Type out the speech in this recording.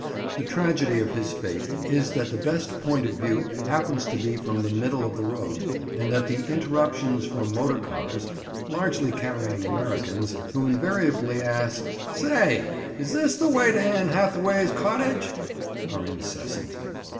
The tragedy of his fate is that the best point of view happens to be from the middle of the road, and that the interruptions from motor cars, largely carrying Americans, who invariably ask, "Saay, is this the waay to Anne Hathawaay's cottuj?" are incessant.